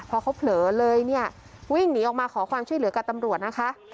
พอเขาเผลอเลยเนี่ยวิ่งหนีออกมาขอความช่วยเหลือกับตำรวจนะคะ